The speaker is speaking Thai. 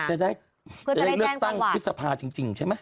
จะได้เลือกตั้งพฤษภาจริงใช่ไหม